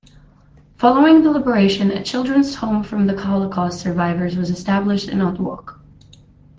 Following the liberation, a children's home for Holocaust survivors was established in Otwock.